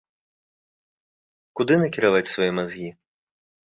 Куды накіраваць свае мазгі?